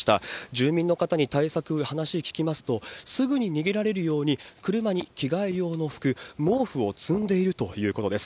住民の方に対策、話聞きますと、すぐに逃げられるように車に着替え用の服、毛布を積んでいるということです。